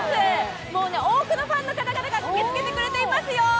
もう多くのファンの方々が駆けつけてくれていますよ。